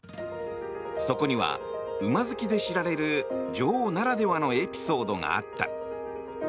そこには馬好きで知られる女王ならではのエピソードがあった。